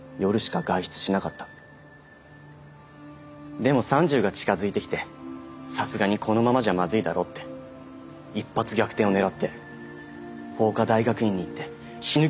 でも３０が近づいてきてさすがにこのままじゃまずいだろうって一発逆転を狙って法科大学院に行って死ぬ気で勉強して司法試験受けたんです。